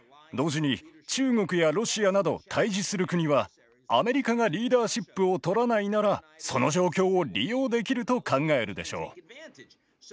同時に中国やロシアなど対じする国は「アメリカがリーダーシップを取らないならその状況を利用できる」と考えるでしょう。